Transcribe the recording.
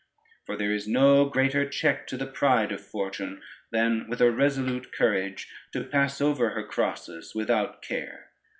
For there is no greater check to the pride of Fortune, than with a resolute courage to pass over her crosses without care.